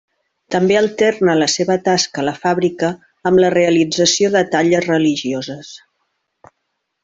També alterna la seva tasca a la fàbrica amb la realització de talles religioses.